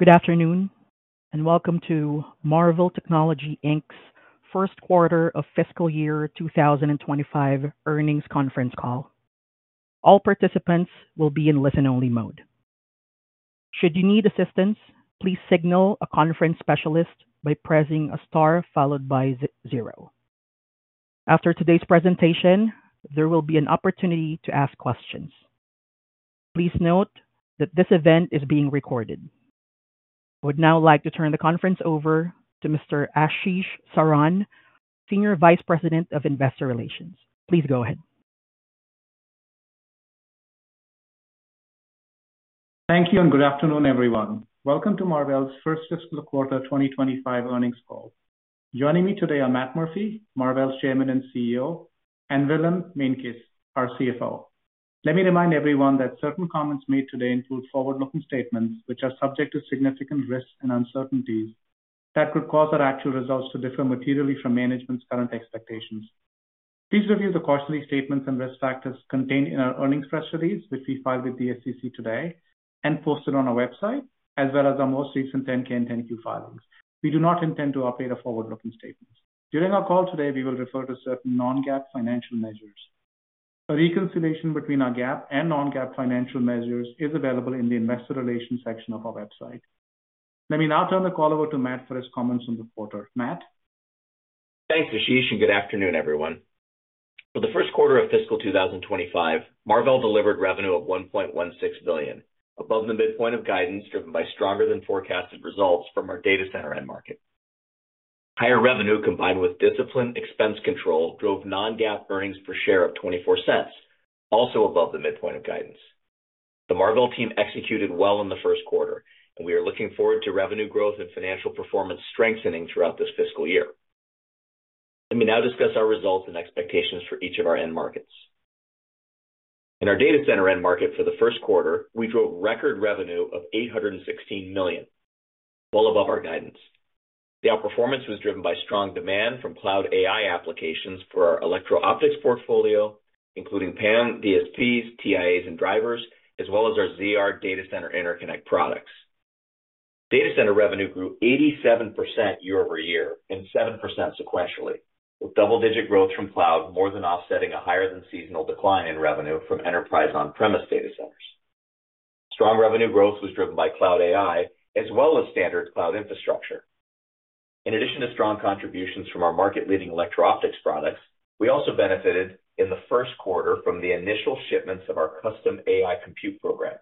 Good afternoon, and welcome to Marvell Technology, Inc.'s First Quarter of Fiscal Year 2025 Earnings Conference Call. All participants will be in listen-only mode. Should you need assistance, please signal a conference specialist by pressing a star followed by zero. After today's presentation, there will be an opportunity to ask questions. Please note that this event is being recorded. I would now like to turn the conference over to Mr. Ashish Saran, Senior Vice President of Investor Relations. Please go ahead. Thank you, and good afternoon, everyone. Welcome to Marvell's first fiscal quarter 2025 earnings call. Joining me today are Matt Murphy, Marvell's Chairman and CEO, and Willem Meintjes, our CFO. Let me remind everyone that certain comments made today include forward-looking statements, which are subject to significant risks and uncertainties that could cause our actual results to differ materially from management's current expectations. Please review the cautionary statements and risk factors contained in our earnings press release, which we filed with the SEC today and posted on our website, as well as our most recent 10-K and 10-Q filings. We do not intend to update our forward-looking statements. During our call today, we will refer to certain non-GAAP financial measures. A reconciliation between our GAAP and non-GAAP financial measures is available in the investor relations section of our website. Let me now turn the call over to Matt for his comments on the quarter. Matt? Thanks, Ashish, and good afternoon, everyone. For the first quarter of fiscal 2025, Marvell delivered revenue of $1.16 billion, above the midpoint of guidance, driven by stronger than forecasted results from our data center end market. Higher revenue, combined with disciplined expense control, drove non-GAAP earnings per share of $0.24, also above the midpoint of guidance. The Marvell team executed well in the first quarter, and we are looking forward to revenue growth and financial performance strengthening throughout this fiscal year. Let me now discuss our results and expectations for each of our end markets. In our data center end market for the first quarter, we drove record revenue of $816 million, well above our guidance. The outperformance was driven by strong demand from cloud AI applications for our electro-optics portfolio, including PAM, DSPs, TIAs, and drivers, as well as our ZR data center interconnect products. Data center revenue grew 87% year-over-year and 7% sequentially, with double-digit growth from cloud more than offsetting a higher-than-seasonal decline in revenue from enterprise on-premise data centers. Strong revenue growth was driven by cloud AI, as well as standard cloud infrastructure. In addition to strong contributions from our market-leading electro-optics products, we also benefited in the first quarter from the initial shipments of our custom AI compute programs.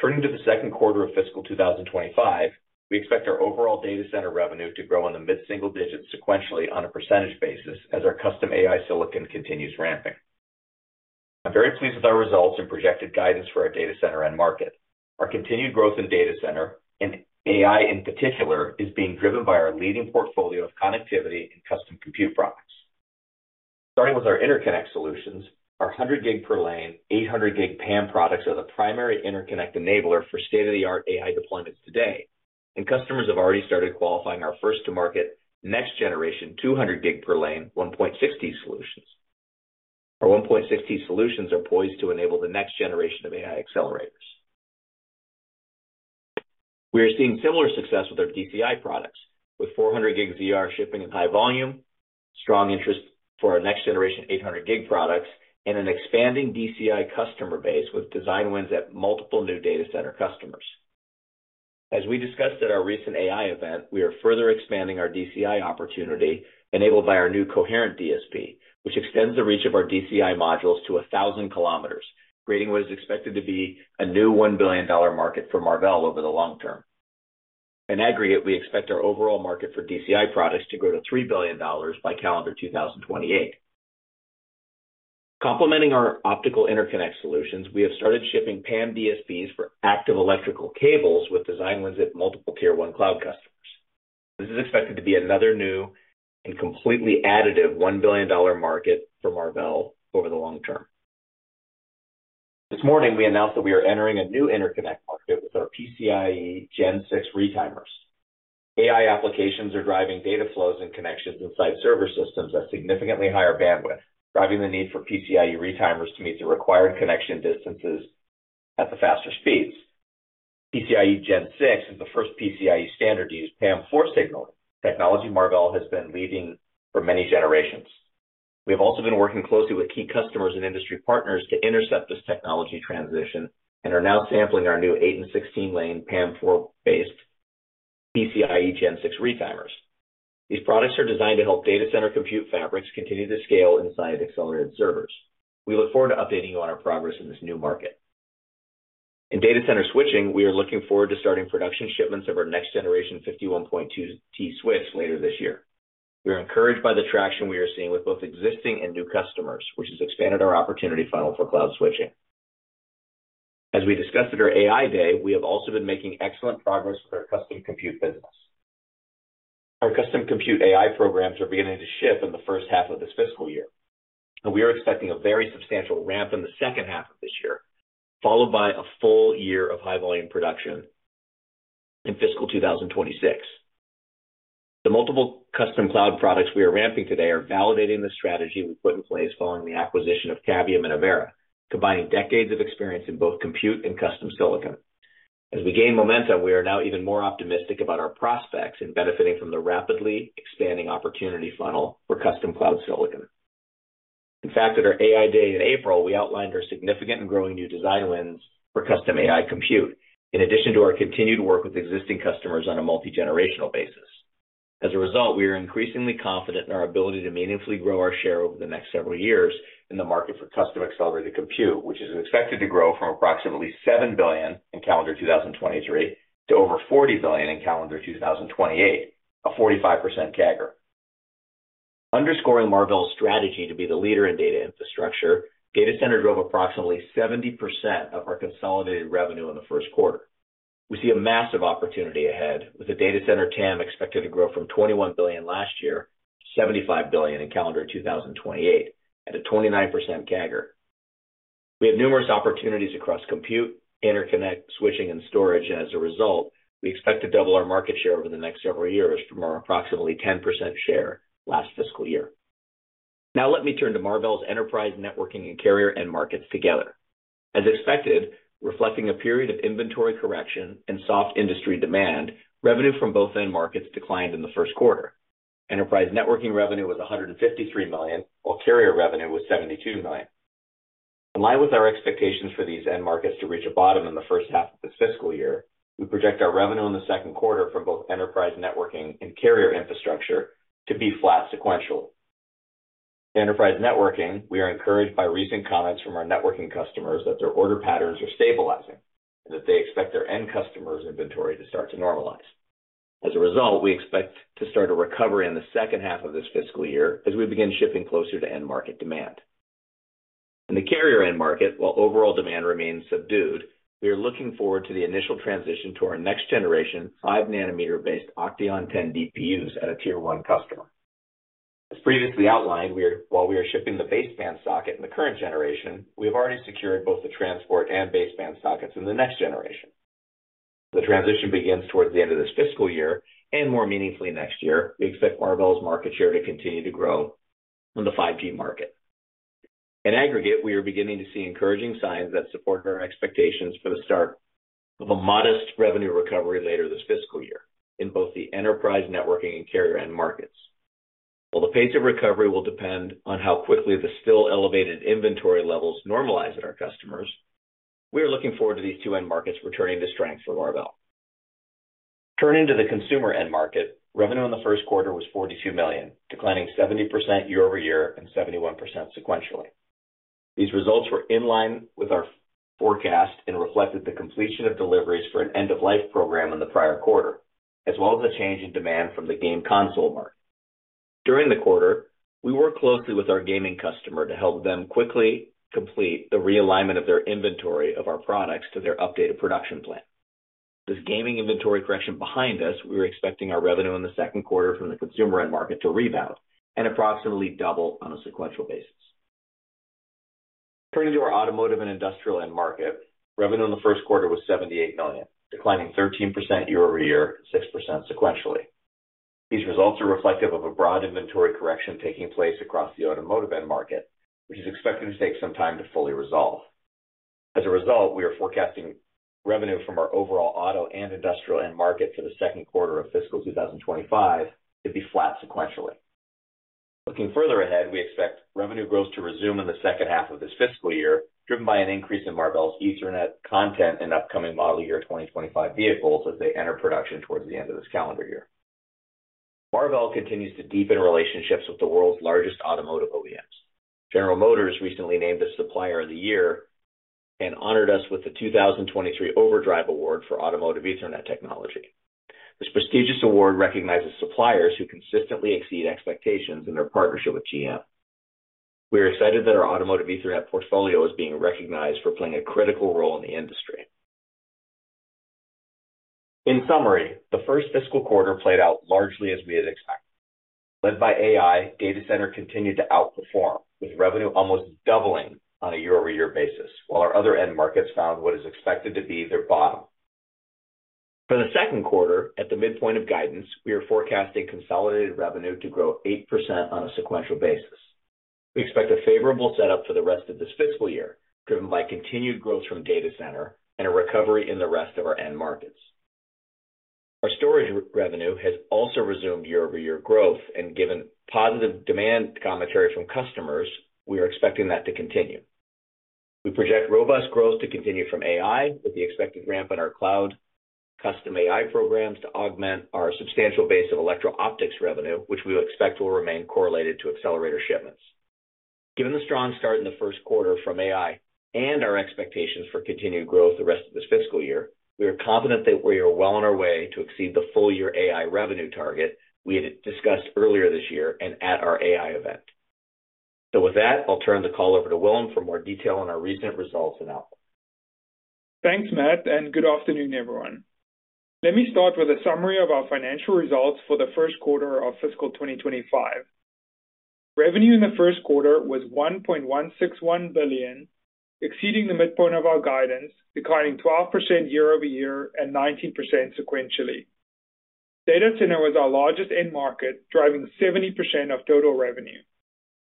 Turning to the second quarter of fiscal 2025, we expect our overall data center revenue to grow in the mid-single digits sequentially on a percentage basis as our custom AI silicon continues ramping. I'm very pleased with our results and projected guidance for our data center end market. Our continued growth in data center, and AI in particular, is being driven by our leading portfolio of connectivity and custom compute products. Starting with our interconnect solutions, our 100G per lane, 800G PAM products are the primary interconnect enabler for state-of-the-art AI deployments today, and customers have already started qualifying our first to market, next generation, 200G per lane, 1.6T solutions. Our 1.6T solutions are poised to enable the next generation of AI accelerators. We are seeing similar success with our DCI products, with 400G ZR shipping in high volume, strong interest for our next generation 800G products, and an expanding DCI customer base with design wins at multiple new data center customers. As we discussed at our recent AI event, we are further expanding our DCI opportunity, enabled by our new coherent DSP, which extends the reach of our DCI modules to 1,000 kilometers, creating what is expected to be a new $1 billion market for Marvell over the long term. In aggregate, we expect our overall market for DCI products to grow to $3 billion by calendar 2028. Complementing our optical interconnect solutions, we have started shipping PAM DSPs for active electrical cables with design wins at multiple tier one cloud customers. This is expected to be another new and completely additive $1 billion market for Marvell over the long term. This morning, we announced that we are entering a new interconnect market with our PCIe Gen 6 retimers. AI applications are driving data flows and connections inside server systems at significantly higher bandwidth, driving the need for PCIe retimers to meet the required connection distances at the faster speeds. PCIe Gen 6 is the first PCIe standard to use PAM4 signaling, technology Marvell has been leading for many generations. We have also been working closely with key customers and industry partners to intercept this technology transition and are now sampling our new 8- and 16-lane PAM4-based PCIe Gen 6 retimers. These products are designed to help data center compute fabrics continue to scale inside accelerated servers. We look forward to updating you on our progress in this new market. In data center switching, we are looking forward to starting production shipments of our next-generation 51.2T switch later this year. We are encouraged by the traction we are seeing with both existing and new customers, which has expanded our opportunity funnel for cloud switching. As we discussed at our AI Day, we have also been making excellent progress with our custom compute business. Our custom compute AI programs are beginning to ship in the first half of this fiscal year, and we are expecting a very substantial ramp in the second half of this year, followed by a full year of high volume production in fiscal 2026.... The multiple custom cloud products we are ramping today are validating the strategy we put in place following the acquisition of Cavium and Avera, combining decades of experience in both compute and custom silicon. As we gain momentum, we are now even more optimistic about our prospects in benefiting from the rapidly expanding opportunity funnel for custom cloud silicon. In fact, at our AI Day in April, we outlined our significant and growing new design wins for custom AI compute, in addition to our continued work with existing customers on a multigenerational basis. As a result, we are increasingly confident in our ability to meaningfully grow our share over the next several years in the market for custom accelerated compute, which is expected to grow from approximately $7 billion in calendar 2023 to over $40 billion in calendar 2028, a 45% CAGR. Underscoring Marvell's strategy to be the leader in data infrastructure, data center drove approximately 70% of our consolidated revenue in the first quarter. We see a massive opportunity ahead, with the data center TAM expected to grow from $21 billion last year to $75 billion in calendar 2028, at a 29% CAGR. We have numerous opportunities across compute, interconnect, switching, and storage. As a result, we expect to double our market share over the next several years from our approximately 10% share last fiscal year. Now let me turn to Marvell's enterprise, networking, and carrier end markets together. As expected, reflecting a period of inventory correction and soft industry demand, revenue from both end markets declined in the first quarter. Enterprise networking revenue was $153 million, while carrier revenue was $72 million. In line with our expectations for these end markets to reach a bottom in the first half of this fiscal year, we project our revenue in the second quarter for both enterprise networking and carrier infrastructure to be flat sequential. In enterprise networking, we are encouraged by recent comments from our networking customers that their order patterns are stabilizing and that they expect their end customers' inventory to start to normalize. As a result, we expect to start a recovery in the second half of this fiscal year as we begin shipping closer to end market demand. In the carrier end market, while overall demand remains subdued, we are looking forward to the initial transition to our next generation 5-nanometer-based OCTEON 10 DPUs at a tier one customer. As previously outlined, while we are shipping the baseband socket in the current generation, we have already secured both the transport and baseband sockets in the next generation. The transition begins towards the end of this fiscal year, and more meaningfully next year, we expect Marvell's market share to continue to grow in the 5G market. In aggregate, we are beginning to see encouraging signs that support our expectations for the start of a modest revenue recovery later this fiscal year in both the enterprise, networking, and carrier end markets. While the pace of recovery will depend on how quickly the still elevated inventory levels normalize at our customers, we are looking forward to these two end markets returning to strength for Marvell. Turning to the consumer end market, revenue in the first quarter was $42 million, declining 70% year-over-year and 71% sequentially. These results were in line with our forecast and reflected the completion of deliveries for an end-of-life program in the prior quarter, as well as a change in demand from the game console market. During the quarter, we worked closely with our gaming customer to help them quickly complete the realignment of their inventory of our products to their updated production plan. This gaming inventory correction behind us, we are expecting our revenue in the second quarter from the consumer end market to rebound and approximately double on a sequential basis. Turning to our automotive and industrial end market, revenue in the first quarter was $78 million, declining 13% year-over-year, 6% sequentially. These results are reflective of a broad inventory correction taking place across the automotive end market, which is expected to take some time to fully resolve. As a result, we are forecasting revenue from our overall auto and industrial end market for the second quarter of fiscal 2025 to be flat sequentially. Looking further ahead, we expect revenue growth to resume in the second half of this fiscal year, driven by an increase in Marvell's Ethernet content in upcoming model year 2025 vehicles as they enter production towards the end of this calendar year. Marvell continues to deepen relationships with the world's largest automotive OEMs. General Motors recently named us Supplier of the Year and honored us with the 2023 Overdrive Award for Automotive Ethernet technology. This prestigious award recognizes suppliers who consistently exceed expectations in their partnership with GM. We are excited that our automotive Ethernet portfolio is being recognized for playing a critical role in the industry. In summary, the first fiscal quarter played out largely as we had expected. Led by AI, data center continued to outperform, with revenue almost doubling on a year-over-year basis, while our other end markets found what is expected to be their bottom. For the second quarter, at the midpoint of guidance, we are forecasting consolidated revenue to grow 8% on a sequential basis. We expect a favorable setup for the rest of this fiscal year, driven by continued growth from data center and a recovery in the rest of our end markets. Our storage revenue has also resumed year-over-year growth, and given positive demand commentary from customers, we are expecting that to continue. We project robust growth to continue from AI, with the expected ramp in our cloud custom AI programs to augment our substantial base of electro-optics revenue, which we expect will remain correlated to accelerator shipments. Given the strong start in the first quarter from AI and our expectations for continued growth, the rest of this fiscal year, we are confident that we are well on our way to exceed the full year AI revenue target we had discussed earlier this year and at our AI event. So with that, I'll turn the call over to Willem for more detail on our recent results and outlook. Thanks, Matt, and good afternoon, everyone. Let me start with a summary of our financial results for the first quarter of fiscal 2025. Revenue in the first quarter was $1.161 billion, exceeding the midpoint of our guidance, declining 12% year-over-year and 19% sequentially. Data center was our largest end market, driving 70% of total revenue.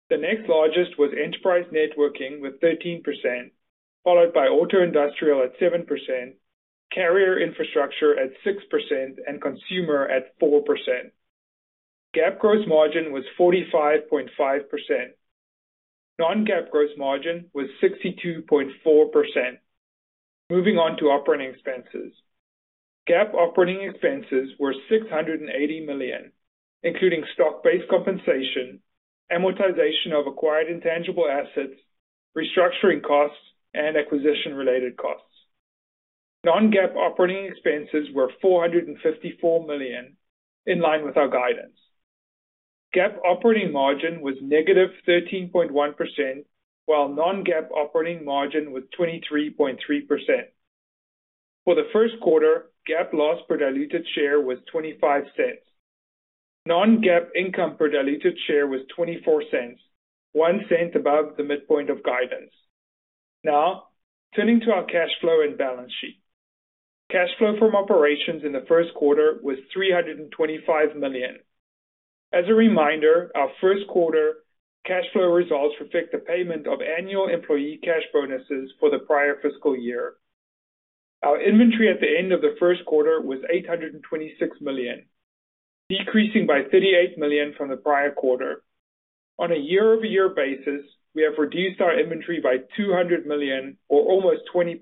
The next largest was enterprise networking, with 13%, followed by auto industrial at 7%, carrier infrastructure at 6%, and consumer at 4%. GAAP gross margin was 45.5%. Non-GAAP gross margin was 62.4%. Moving on to operating expenses. GAAP operating expenses were $680 million, including stock-based compensation, amortization of acquired intangible assets, restructuring costs, and acquisition-related costs. Non-GAAP operating expenses were $454 million, in line with our guidance. GAAP operating margin was negative 13.1%, while non-GAAP operating margin was 23.3%. For the first quarter, GAAP loss per diluted share was $0.25. Non-GAAP income per diluted share was $0.24, $0.01 above the midpoint of guidance. Now, turning to our cash flow and balance sheet. Cash flow from operations in the first quarter was $325 million. As a reminder, our first quarter cash flow results reflect the payment of annual employee cash bonuses for the prior fiscal year. Our inventory at the end of the first quarter was $826 million, decreasing by $38 million from the prior quarter. On a year-over-year basis, we have reduced our inventory by $200 million or almost 20%.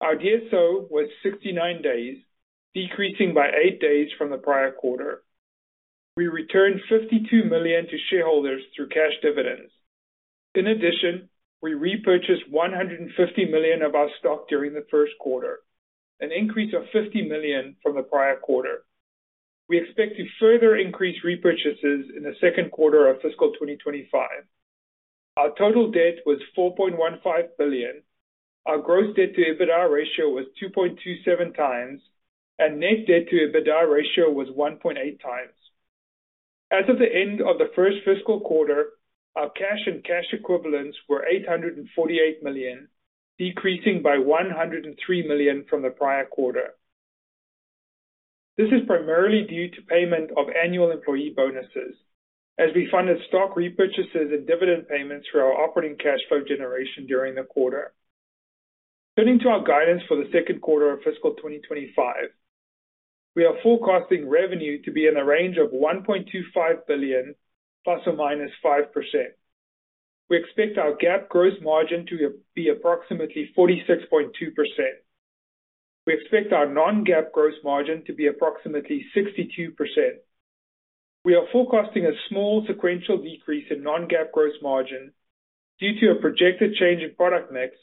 Our DSO was 69 days, decreasing by 8 days from the prior quarter. We returned $52 million to shareholders through cash dividends. In addition, we repurchased $150 million of our stock during the first quarter, an increase of $50 million from the prior quarter. We expect to further increase repurchases in the second quarter of fiscal 2025. Our total debt was $4.15 billion. Our gross debt to EBITDA ratio was 2.27 times, and net debt to EBITDA ratio was 1.8 times. As of the end of the first fiscal quarter, our cash and cash equivalents were $848 million, decreasing by $103 million from the prior quarter. This is primarily due to payment of annual employee bonuses as we funded stock repurchases and dividend payments through our operating cash flow generation during the quarter. Turning to our guidance for the second quarter of fiscal 2025. We are forecasting revenue to be in the range of $1.25 billion ±5%. We expect our GAAP gross margin to be approximately 46.2%. We expect our non-GAAP gross margin to be approximately 62%. We are forecasting a small sequential decrease in non-GAAP gross margin due to a projected change in product mix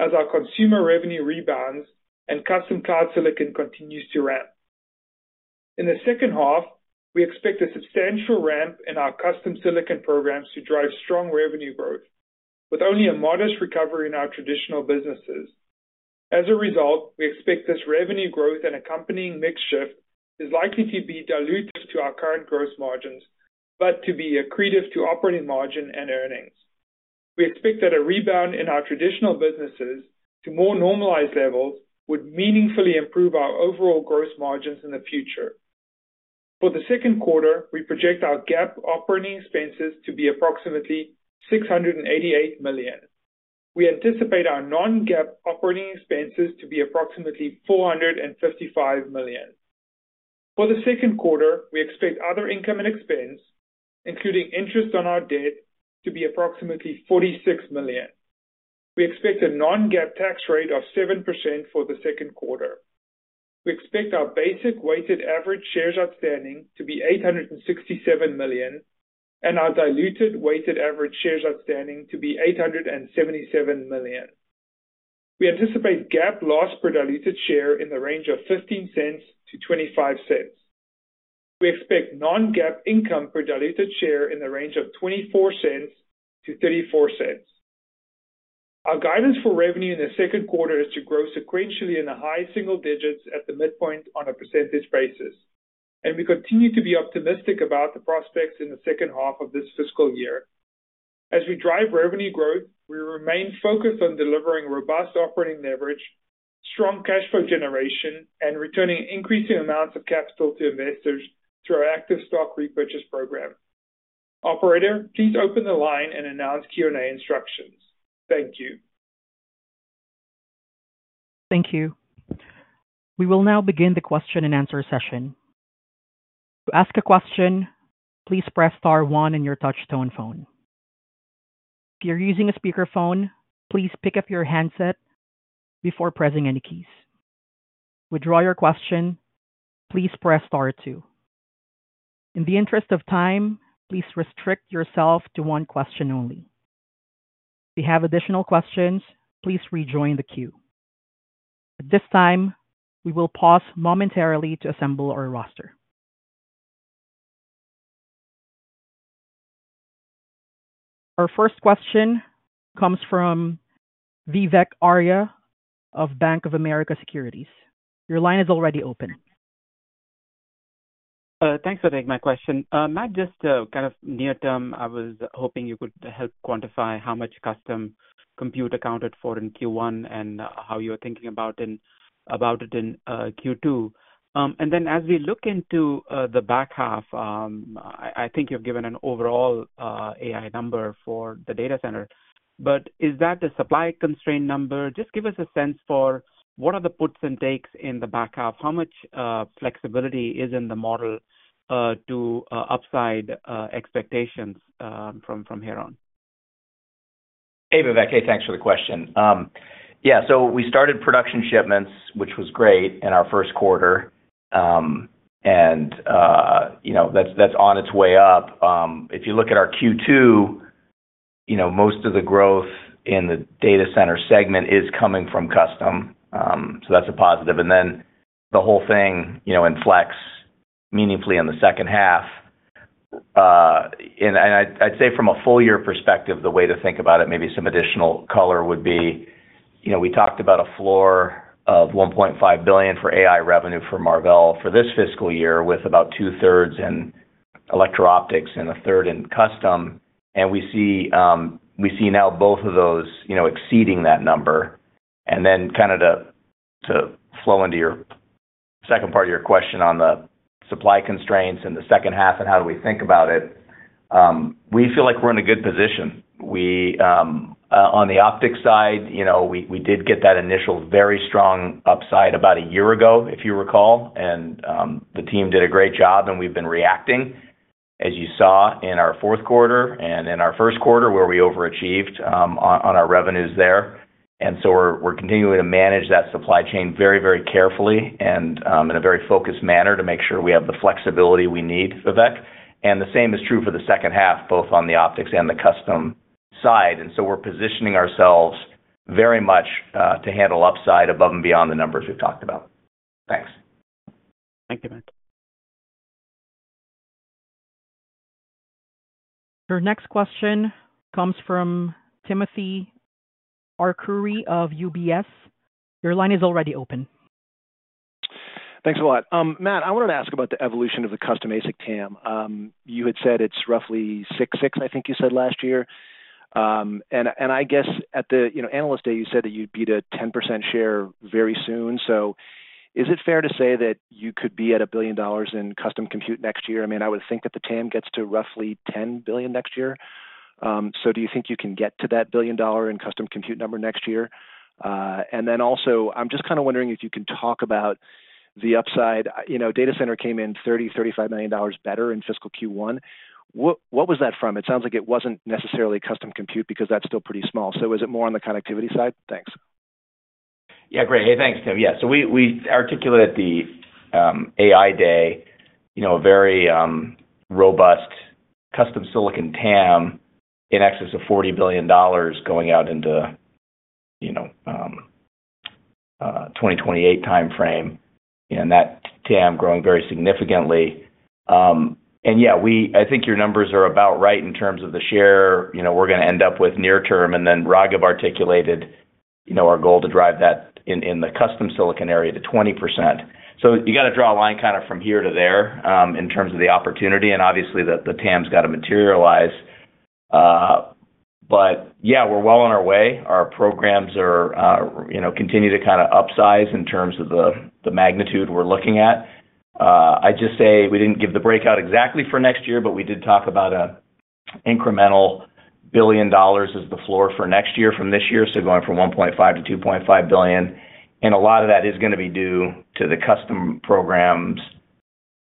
as our consumer revenue rebounds and custom cloud silicon continues to ramp. In the second half, we expect a substantial ramp in our custom silicon programs to drive strong revenue growth, with only a modest recovery in our traditional businesses. As a result, we expect this revenue growth and accompanying mix shift is likely to be dilutive to our current gross margins, but to be accretive to operating margin and earnings. We expect that a rebound in our traditional businesses to more normalized levels would meaningfully improve our overall gross margins in the future. For the second quarter, we project our GAAP operating expenses to be approximately $688 million. We anticipate our non-GAAP operating expenses to be approximately $455 million. For the second quarter, we expect other income and expense, including interest on our debt, to be approximately $46 million. We expect a non-GAAP tax rate of 7% for the second quarter. We expect our basic weighted average shares outstanding to be 867 million, and our diluted weighted average shares outstanding to be 877 million. We anticipate GAAP loss per diluted share in the range of $0.15-$0.25. We expect non-GAAP income per diluted share in the range of $0.24-$0.34. Our guidance for revenue in the second quarter is to grow sequentially in the high single digits at the midpoint on a percentage basis, and we continue to be optimistic about the prospects in the second half of this fiscal year. As we drive revenue growth, we remain focused on delivering robust operating leverage, strong cash flow generation, and returning increasing amounts of capital to investors through our active stock repurchase program. Operator, please open the line and announce Q&A instructions. Thank you. Thank you. We will now begin the question-and-answer session. To ask a question, please press star one in your touch tone phone. If you're using a speakerphone, please pick up your handset before pressing any keys. To withdraw your question, please press star two. In the interest of time, please restrict yourself to one question only. If you have additional questions, please rejoin the queue. At this time, we will pause momentarily to assemble our roster. Our first question comes from Vivek Arya of Bank of America Securities. Your line is already open. Thanks for taking my question. Matt, just kind of near term, I was hoping you could help quantify how much custom compute accounted for in Q1 and how you're thinking about it in Q2. And then as we look into the back half, I think you've given an overall AI number for the data center. But is that a supply constraint number? Just give us a sense for what are the puts and takes in the back half. How much flexibility is in the model to upside expectations from here on? Hey, Vivek. Hey, thanks for the question. Yeah, so we started production shipments, which was great, in our first quarter. And, you know, that's on its way up. If you look at our Q2, you know, most of the growth in the data center segment is coming from custom. So that's a positive. And then the whole thing, you know, inflects meaningfully in the second half. And I'd say from a full year perspective, the way to think about it, maybe some additional color would be, you know, we talked about a floor of $1.5 billion for AI revenue for Marvell for this fiscal year, with about two-thirds in electro-optics and a third in custom. And we see now both of those, you know, exceeding that number. And then kind of to flow into your second part of your question on the supply constraints and the second half and how do we think about it, we feel like we're in a good position. We on the optics side, you know, we did get that initial very strong upside about a year ago, if you recall, and the team did a great job, and we've been reacting, as you saw in our fourth quarter and in our first quarter, where we overachieved on our revenues there. And so we're continuing to manage that supply chain very, very carefully and in a very focused manner to make sure we have the flexibility we need, Vivek. And the same is true for the second half, both on the optics and the custom side. And so we're positioning ourselves very much to handle upside above and beyond the numbers we've talked about. Thanks. Thank you, Matt. Your next question comes from Timothy Arcuri of UBS. Your line is already open. Thanks a lot. Matt, I wanted to ask about the evolution of the custom ASIC TAM. You had said it's roughly 66, I think you said last year. And I guess at the, you know, Analyst Day, you said that you'd be at a 10% share very soon. So is it fair to say that you could be at $1 billion in custom compute next year? I mean, I would think that the TAM gets to roughly $10 billion next year. So do you think you can get to that $1 billion in custom compute number next year? And then also, I'm just kind of wondering if you can talk about the upside. You know, data center came in $30-$35 million better in fiscal Q1. What was that from? It sounds like it wasn't necessarily custom compute, because that's still pretty small. So is it more on the connectivity side? Thanks. Yeah, great. Hey, thanks, Tim. Yeah, so we articulated at the AI Day, you know, a very robust custom silicon TAM in excess of $40 billion going out into, you know, 2028 timeframe, and that TAM growing very significantly. And yeah, we I think your numbers are about right in terms of the share, you know, we're going to end up with near term, and then Raghib articulated, you know, our goal to drive that in the custom silicon area to 20%. So you got to draw a line kind of from here to there in terms of the opportunity and obviously, the TAM's got to materialize. But yeah, we're well on our way. Our programs are, you know, continue to kind of upsize in terms of the magnitude we're looking at. I'd just say we didn't give the breakout exactly for next year, but we did talk about an incremental $1 billion as the floor for next year from this year, so going from $1.5 billion to $2.5 billion, and a lot of that is going to be due to the custom programs,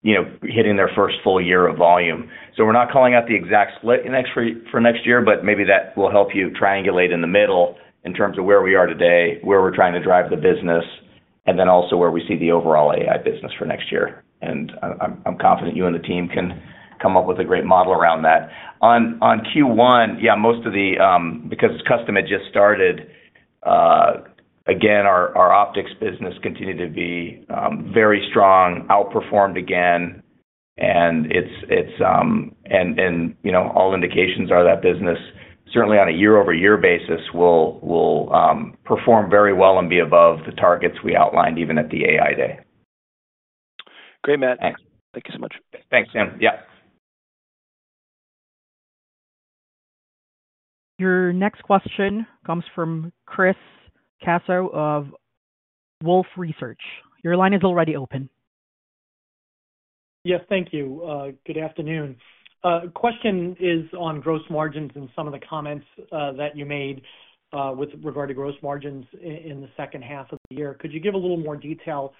you know, hitting their first full year of volume. So we're not calling out the exact split next year, for next year, but maybe that will help you triangulate in the middle in terms of where we are today, where we're trying to drive the business, and then also where we see the overall AI business for next year. And I'm confident you and the team can come up with a great model around that. On Q1, yeah, most of the, because custom had just started, again, our optics business continued to be very strong, outperformed again, and it's, and you know, all indications are that business, certainly on a year-over-year basis, will perform very well and be above the targets we outlined even at the AI Day. Great, Matt. Thanks. Thank you so much. Thanks, Tim. Yeah. Your next question comes from Chris Caso of Wolfe Research. Your line is already open. Yes, thank you. Good afternoon. Question is on gross margins and some of the comments that you made with regard to gross margins in the second half of the year. Could you give a little more detail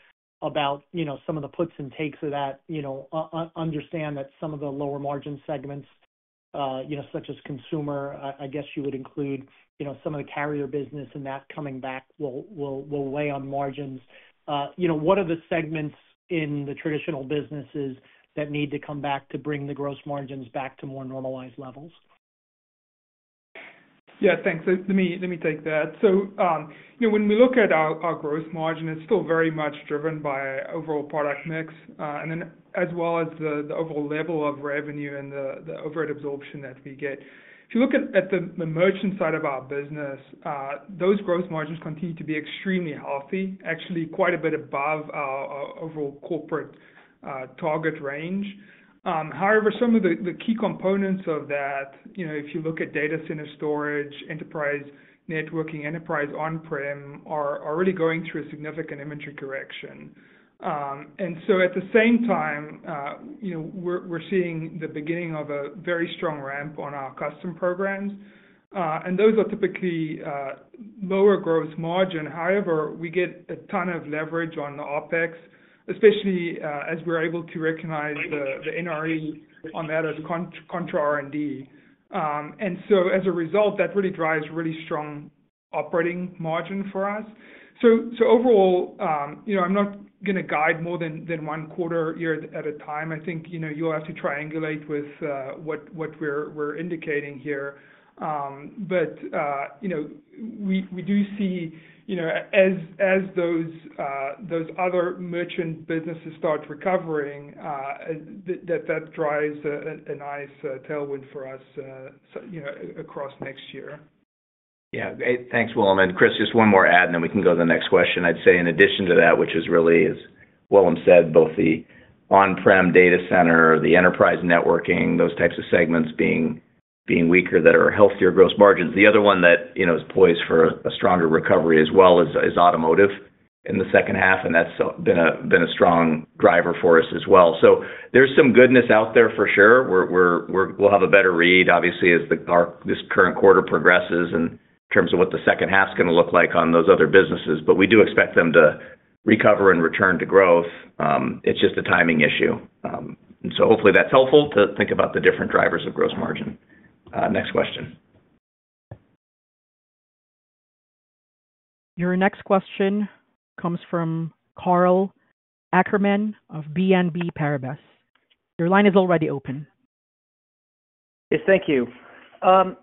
about, you know, some of the puts and takes of that? You know, understand that some of the lower margin segments, you know, such as consumer, I guess you would include, you know, some of the carrier business and that coming back will weigh on margins. You know, what are the segments in the traditional businesses that need to come back to bring the gross margins back to more normalized levels? Yeah, thanks. So let me, let me take that. So, you know, when we look at our, our gross margin, it's still very much driven by overall product mix, and then as well as the, the overall level of revenue and the, the overhead absorption that we get. If you look at, at the, the merchant side of our business, those gross margins continue to be extremely healthy, actually quite a bit above our, our overall corporate, target range. However, some of the, the key components of that, you know, if you look at data center storage, enterprise networking, enterprise on-prem, are already going through a significant inventory correction. And so at the same time, you know, we're, we're seeing the beginning of a very strong ramp on our custom programs. And those are typically, lower gross margin. However, we get a ton of leverage on the OpEx, especially, as we're able to recognize the, the NRE on that as contra R&D. And so as a result, that really drives really strong operating margin for us. So overall, you know, I'm not gonna guide more than one quarter year at a time. I think, you know, you'll have to triangulate with what we're indicating here. But you know, we do see, you know, as those other merchant businesses start recovering, that drives a nice tailwind for us, so you know, across next year. Yeah. Thanks, Willem. And Chris, just one more add, and then we can go to the next question. I'd say in addition to that, which is really, as Willem said, both the on-prem data center, the enterprise networking, those types of segments being weaker, that are healthier gross margins. The other one that, you know, is poised for a stronger recovery as well, is automotive in the second half, and that's been a strong driver for us as well. So there's some goodness out there for sure. We'll have a better read, obviously, as our current quarter progresses in terms of what the second half is gonna look like on those other businesses, but we do expect them to recover and return to growth. It's just a timing issue. Hopefully that's helpful to think about the different drivers of gross margin. Next question. Your next question comes from Karl Ackerman of BNP Paribas. Your line is already open. Yes, thank you.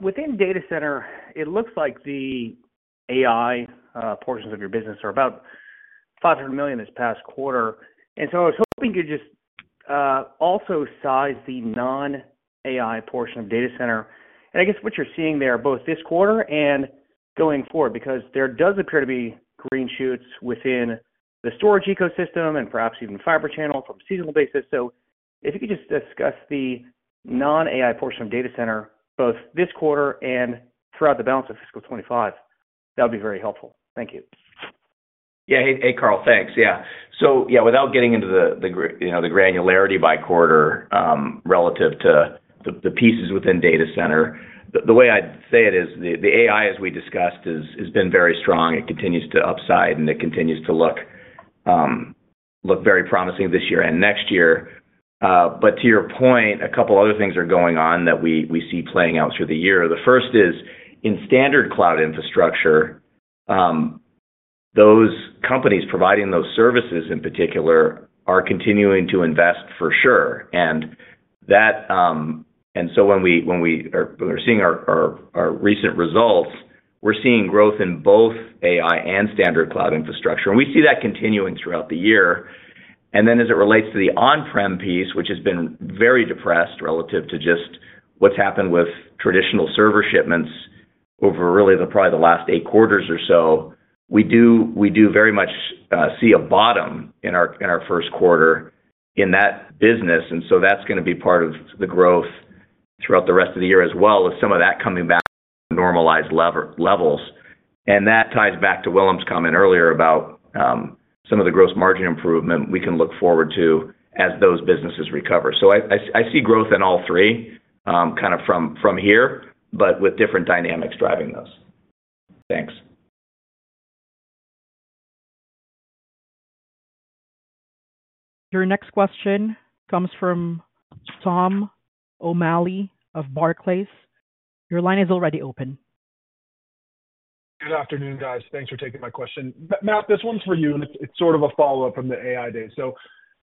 Within data center, it looks like the AI portions of your business are about $500 million this past quarter. So I was hoping you'd just also size the non-AI portion of data center, and I guess what you're seeing there, both this quarter and going forward, because there does appear to be green shoots within the storage ecosystem and perhaps even Fibre Channel from a seasonal basis. So if you could just discuss the non-AI portion of data center, both this quarter and throughout the balance of fiscal 2025, that'd be very helpful. Thank you. Yeah. Hey, hey, Karl. Thanks. Yeah. So yeah, without getting into the, you know, the granularity by quarter, relative to the pieces within data center, the way I'd say it is the AI, as we discussed, is, has been very strong. It continues to upside, and it continues to look very promising this year and next year. But to your point, a couple other things are going on that we see playing out through the year. The first is, in standard cloud infrastructure, those companies providing those services in particular, are continuing to invest for sure. And that, and so when we're seeing our recent results, we're seeing growth in both AI and standard cloud infrastructure, and we see that continuing throughout the year. And then as it relates to the on-prem piece, which has been very depressed relative to just what's happened with traditional server shipments over really the probably the last eight quarters or so, we do, we do very much see a bottom in our, in our first quarter in that business. And so that's gonna be part of the growth throughout the rest of the year, as well as some of that coming back normalized levels. And that ties back to Willem's comment earlier about some of the gross margin improvement we can look forward to as those businesses recover. So I see growth in all three kind of from here, but with different dynamics driving those. Thanks. Your next question comes from Tom O'Malley of Barclays. Your line is already open. Good afternoon, guys. Thanks for taking my question. Matt, this one's for you, and it's sort of a follow-up from the AI day. So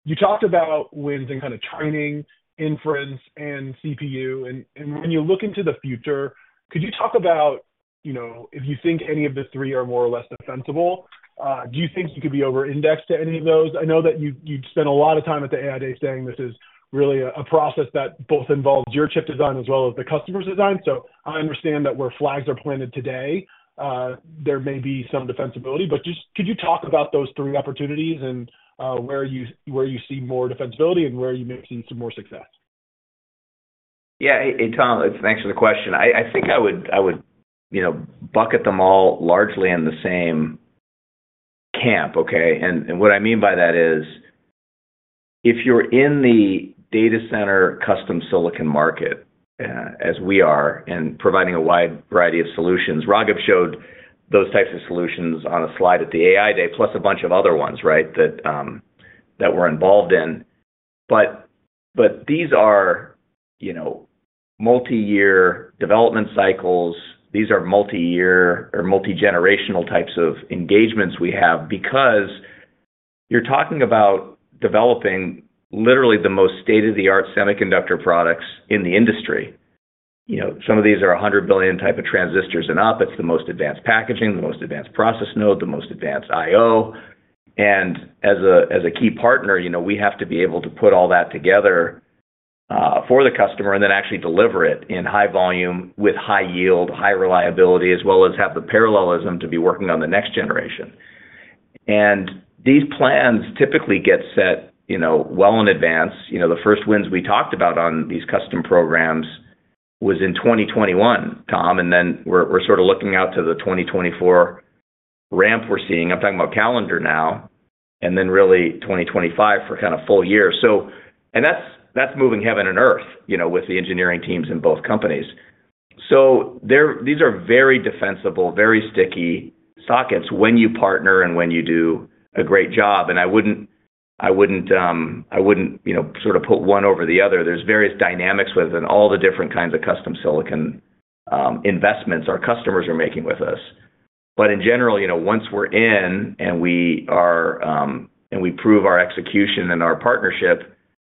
you talked about wins and kind of training, inference, and CPU, and when you look into the future, could you talk about, you know, if you think any of the three are more or less defensible? Do you think you could be over-indexed to any of those? I know that you, you've spent a lot of time at the AI day saying this is really a process that both involves your chip design as well as the customer's design. So I understand that where flags are planted today, there may be some defensibility, but just could you talk about those three opportunities and where you see more defensibility and where you may see some more success? Yeah. Hey, hey, Tom, thanks for the question. I think I would, you know, bucket them all largely in the same camp, okay? And what I mean by that is, if you're in the data center custom silicon market, as we are, and providing a wide variety of solutions, Raghib showed those types of solutions on a slide at the AI Day, plus a bunch of other ones, right, that we're involved in. But these are, you know, multiyear development cycles. These are multiyear or multigenerational types of engagements we have, because you're talking about developing literally the most state-of-the-art semiconductor products in the industry. You know, some of these are 100 billion type of transistors and up. It's the most advanced packaging, the most advanced process node, the most advanced IO. As a key partner, you know, we have to be able to put all that together for the customer and then actually deliver it in high volume, with high yield, high reliability, as well as have the parallelism to be working on the next generation. These plans typically get set, you know, well in advance. You know, the first wins we talked about on these custom programs was in 2021, Tom, and then we're sort of looking out to the 2024 ramp we're seeing. I'm talking about calendar now, and then really 2025 for kind of full year. So and that's moving heaven and earth, you know, with the engineering teams in both companies. So there these are very defensible, very sticky sockets when you partner and when you do a great job. And I wouldn't, you know, sort of put one over the other. There's various dynamics within all the different kinds of custom silicon investments our customers are making with us. But in general, you know, once we're in, and we are, and we prove our execution and our partnership,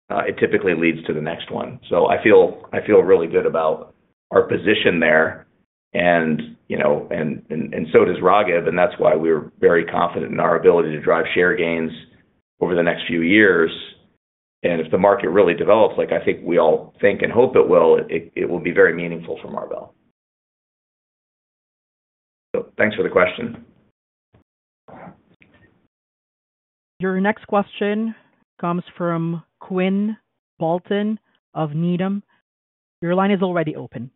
it typically leads to the next one. So I feel really good about our position there, and, you know, and so does Raghib, and that's why we're very confident in our ability to drive share gains over the next few years. And if the market really develops, like I think we all think and hope it will, it will be very meaningful for Marvell. So thanks for the question. Your next question comes from Quinn Bolton of Needham. Your line is already open.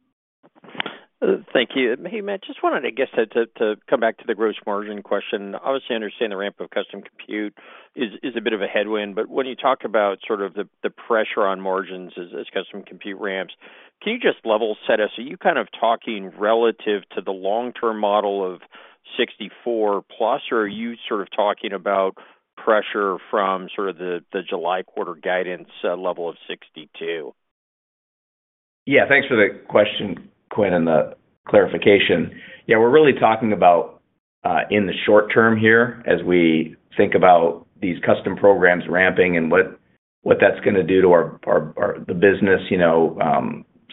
Thank you. Hey, Matt, just wanted to, I guess, to come back to the gross margin question. Obviously, I understand the ramp of custom compute is a bit of a headwind, but when you talk about sort of the pressure on margins as custom compute ramps, can you just level set us? Are you kind of talking relative to the long-term model of 64%+, or are you sort of talking about pressure from sort of the July quarter guidance level of 62%? Yeah, thanks for the question, Quinn, and the clarification. Yeah, we're really talking about in the short term here, as we think about these custom programs ramping and what that's gonna do to our business, you know,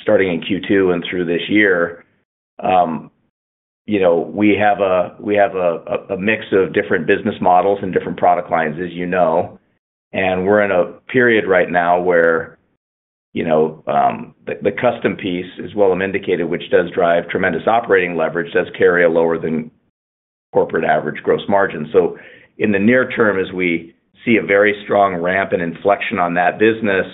starting in Q2 and through this year. You know, we have a mix of different business models and different product lines, as you know, and we're in a period right now where, you know, the custom piece, as Willem indicated, which does drive tremendous operating leverage, does carry a lower-than-corporate average gross margin. So in the near term, as we see a very strong ramp and inflection on that business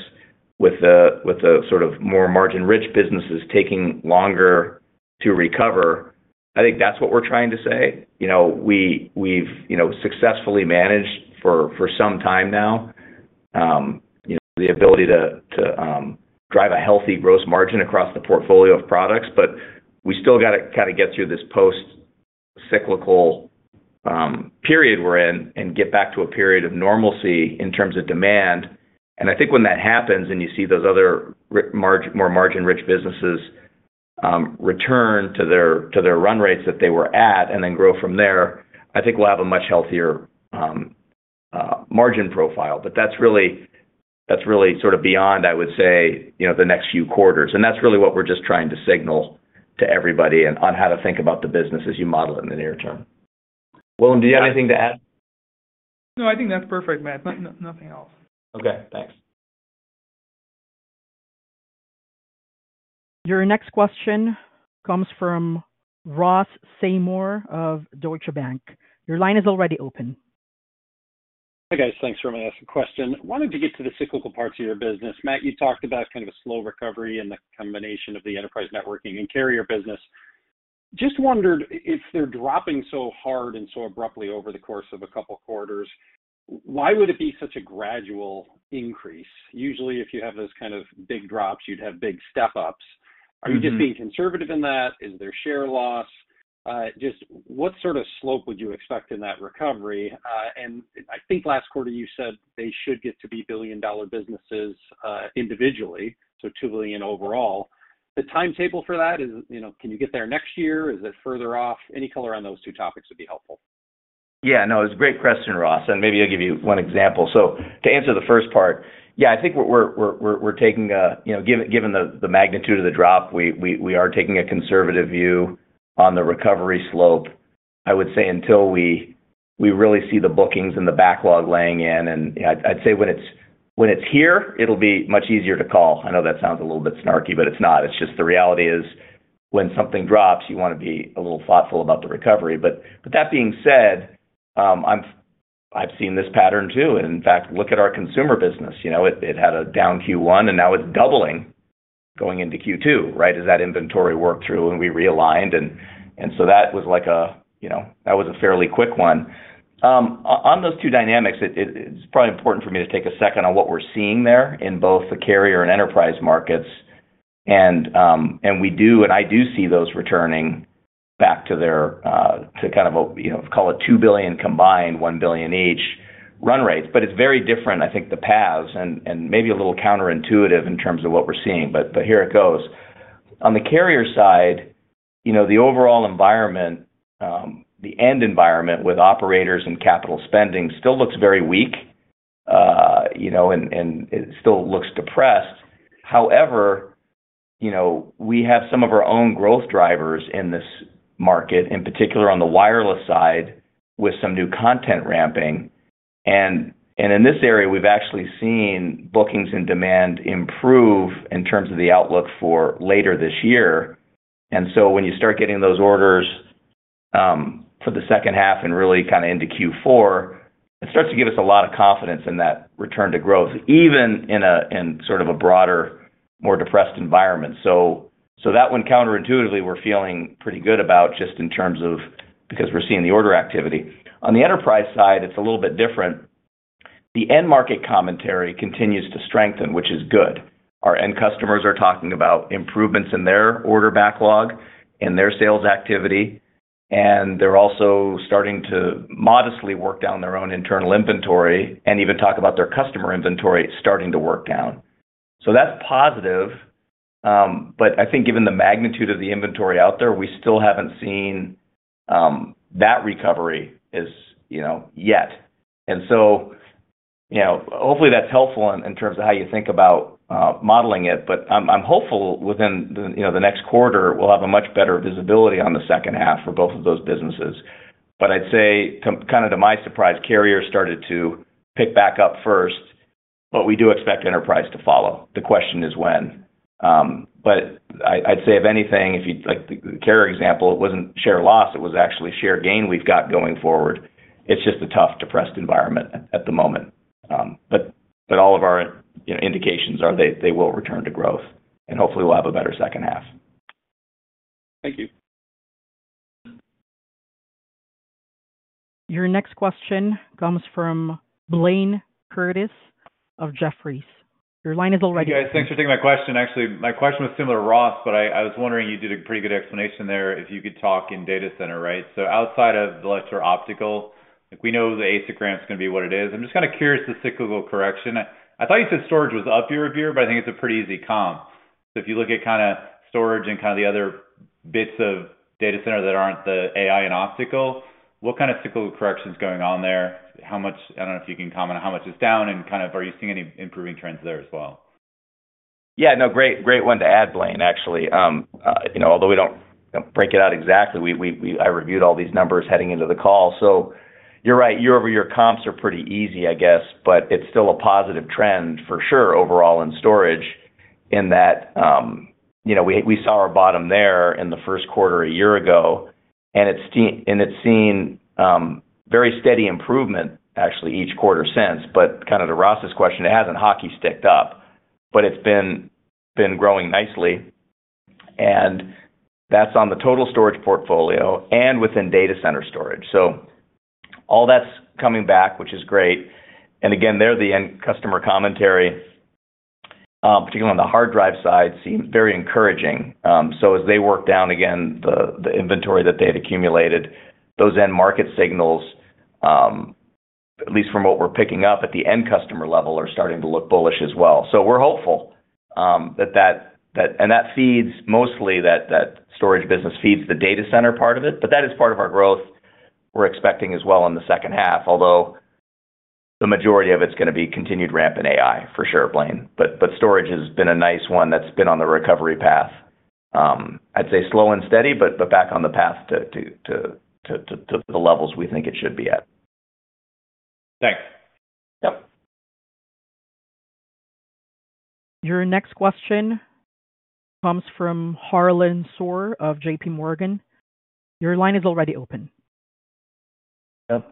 with the sort of more margin-rich businesses taking longer to recover, I think that's what we're trying to say. You know, we've successfully managed for some time now, you know, the ability to drive a healthy gross margin across the portfolio of products, but we still gotta kinda get through this post-cyclical period we're in and get back to a period of normalcy in terms of demand. And I think when that happens and you see those other ri-- margin, more margin-rich businesses return to their run rates that they were at and then grow from there, I think we'll have a much healthier margin profile. But that's really, that's really sort of beyond, I would say, you know, the next few quarters. And that's really what we're just trying to signal to everybody and on how to think about the business as you model it in the near term. Willem, do you have anything to add? No, I think that's perfect, Matt. Nothing else. Okay, thanks. Your next question comes from Ross Seymore of Deutsche Bank. Your line is already open. Hi, guys. Thanks very much for asking the question. Wanted to get to the cyclical parts of your business. Matt, you talked about kind of a slow recovery and the combination of the enterprise networking and carrier business. Just wondered if they're dropping so hard and so abruptly over the course of a couple quarters, why would it be such a gradual increase? Usually, if you have those kind of big drops, you'd have big step-ups. Are you just being conservative in that? Is there share loss? Just what sort of slope would you expect in that recovery? And I think last quarter you said they should get to be billion-dollar businesses, individually, so $2 billion overall. The timetable for that is, you know, can you get there next year? Is it further off? Any color on those two topics would be helpful. Yeah. No, it's a great question, Ross, and maybe I'll give you one example. So to answer the first part, yeah, I think we're taking a—you know, given the magnitude of the drop, we are taking a conservative view on the recovery slope. I would say until we really see the bookings and the backlog laying in, and I'd say when it's here, it'll be much easier to call. I know that sounds a little bit snarky, but it's not. It's just the reality is, when something drops, you wanna be a little thoughtful about the recovery. But that being said, I've seen this pattern, too, and in fact, look at our consumer business. You know, it had a down Q1, and now it's doubling going into Q2, right? As that inventory worked through and we realigned and so that was like a, you know, that was a fairly quick one. On those two dynamics, it it's probably important for me to take a second on what we're seeing there in both the carrier and enterprise markets. And we do, and I do see those returning back to their to kind of a, you know, call it $2 billion combined, $1 billion each, run rates. But it's very different, I think, the paths and maybe a little counterintuitive in terms of what we're seeing, but here it goes. On the carrier side, you know, the overall environment, the end environment with operators and capital spending still looks very weak, you know, and it still looks depressed. However, you know, we have some of our own growth drivers in this market, in particular on the wireless side, with some new content ramping. And in this area, we've actually seen bookings and demand improve in terms of the outlook for later this year. And so when you start getting those orders, for the second half and really kind of into Q4, it starts to give us a lot of confidence in that return to growth, even in sort of a broader, more depressed environment. So that one, counterintuitively, we're feeling pretty good about just in terms of, because we're seeing the order activity. On the enterprise side, it's a little bit different. The end market commentary continues to strengthen, which is good. Our end customers are talking about improvements in their order backlog, in their sales activity, and they're also starting to modestly work down their own internal inventory and even talk about their customer inventory starting to work down. So that's positive. But I think given the magnitude of the inventory out there, we still haven't seen that recovery is, you know, yet. And so, you know, hopefully, that's helpful in terms of how you think about modeling it. But I'm hopeful within the, you know, the next quarter, we'll have a much better visibility on the second half for both of those businesses. But I'd say, kinda to my surprise, carrier started to pick back up first, but we do expect enterprise to follow. The question is when? But I'd say if anything, if you—like the carrier example, it wasn't share loss, it was actually share gain we've got going forward. It's just a tough, depressed environment at the moment. But all of our, you know, indications are they will return to growth, and hopefully we'll have a better second half. Thank you. Your next question comes from Blayne Curtis of Jefferies. Your line is already open. Hey, guys, thanks for taking my question. Actually, my question was similar to Ross, but I, I was wondering, you did a pretty good explanation there, if you could talk in data center, right? So outside of the laser optical, if we know the ASIC ramp is gonna be what it is, I'm just kinda curious, the cyclical correction. I thought you said storage was up year-over-year, but I think it's a pretty easy comp. So if you look at kinda storage and kinda the other bits of data center that aren't the AI and optical, what kind of cyclical correction is going on there? How much... I don't know if you can comment on how much is down and kind of are you seeing any improving trends there as well? Yeah, no, great, great one to add, Blaine, actually. You know, although we don't break it out exactly, I reviewed all these numbers heading into the call. So you're right, year-over-year comps are pretty easy, I guess, but it's still a positive trend for sure, overall in storage, in that, you know, we saw our bottom there in the first quarter a year ago, and it's seen very steady improvement, actually, each quarter since. But kinda to Ross's question, it hasn't hockey sticked up, but it's been growing nicely, and that's on the total storage portfolio and within data center storage. So all that's coming back, which is great. And again, the end customer commentary, particularly on the hard drive side, seems very encouraging. So as they work down again, the inventory that they had accumulated, those end market signals, at least from what we're picking up at the end customer level, are starting to look bullish as well. So we're hopeful that and that feeds mostly that storage business feeds the data center part of it, but that is part of our growth we're expecting as well in the second half, although the majority of it's gonna be continued ramp in AI, for sure, Blaine. But storage has been a nice one that's been on the recovery path. I'd say slow and steady, but back on the path to the levels we think it should be at. Thanks. Yep. Your next question comes from Harlan Sur of J.P. Morgan. Your line is already open.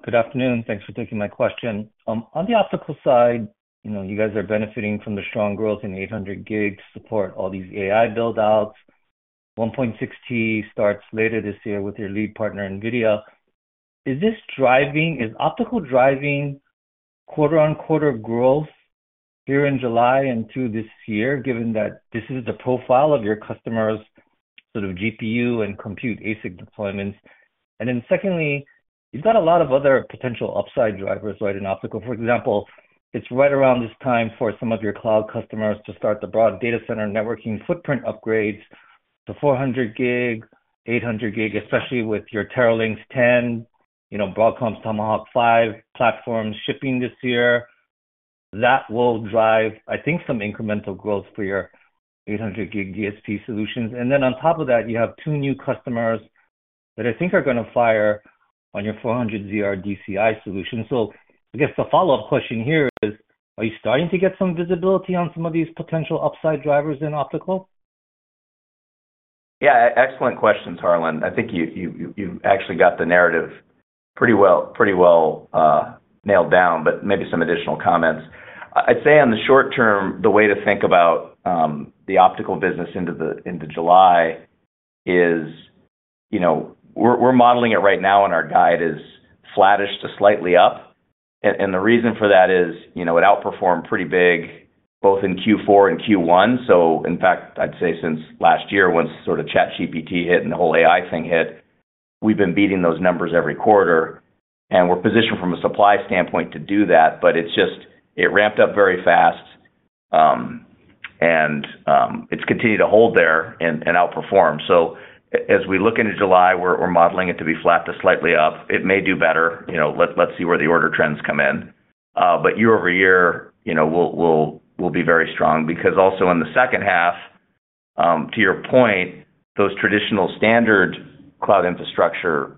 Good afternoon. Thanks for taking my question. On the optical side, you know, you guys are benefiting from the strong growth in 800G support, all these AI build outs. 1.6T starts later this year with your lead partner, NVIDIA. Is optical driving quarter-on-quarter growth here in July and through this year, given that this is the profile of your customers, sort of GPU and compute ASIC deployments? And then secondly, you've got a lot of other potential upside drivers, right, in optical. For example, it's right around this time for some of your cloud customers to start the broad data center networking footprint upgrades to 400G, 800G, especially with your Teralynx 10, you know, Broadcom's Tomahawk 5 platforms shipping this year. That will drive, I think, some incremental growth for your 800G DSP solutions. And then on top of that, you have two new customers that I think are gonna fire on your 400 ZR DCI solution. So I guess the follow-up question here is: Are you starting to get some visibility on some of these potential upside drivers in optical? Yeah, excellent question, Harlan. I think you actually got the narrative pretty well nailed down, but maybe some additional comments. I'd say on the short term, the way to think about the optical business into July is, you know, we're modeling it right now, and our guide is flattish to slightly up. And the reason for that is, you know, it outperformed pretty big, both in Q4 and Q1. So in fact, I'd say since last year, once sort of ChatGPT hit and the whole AI thing hit. We've been beating those numbers every quarter, and we're positioned from a supply standpoint to do that. But it's just, it ramped up very fast, and it's continued to hold there and outperform. So as we look into July, we're modeling it to be flat to slightly up. It may do better. You know, let's see where the order trends come in. But year-over-year, you know, we'll be very strong. Because also in the second half, to your point, those traditional standard cloud infrastructure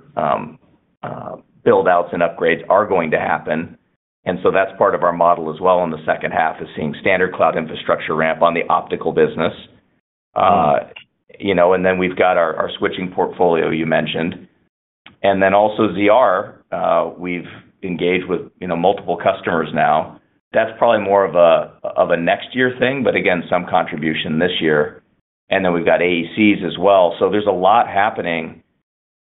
build-outs and upgrades are going to happen, and so that's part of our model as well in the second half, is seeing standard cloud infrastructure ramp on the optical business. You know, and then we've got our switching portfolio you mentioned. And then also ZR, we've engaged with, you know, multiple customers now. That's probably more of a next year thing, but again, some contribution this year. And then we've got AECs as well. So there's a lot happening